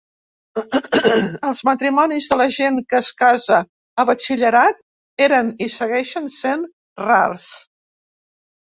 Els matrimonis de la gent que es casa a batxillerat eren i segueixen sent rars.